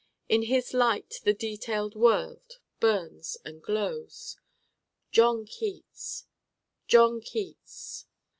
In his light the detailed world burns and glows! John Keats! John Keats!